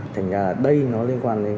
thành ra đây nó liên quan đến